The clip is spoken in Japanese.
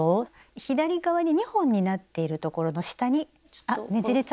左側に２本になっているところの下にあっねじれちゃった？